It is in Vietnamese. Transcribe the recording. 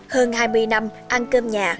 hơn hai mươi năm ăn cơm nhà